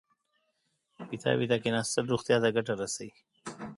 پیتاوي ته کېناستل روغتیا ته ګټه رسوي.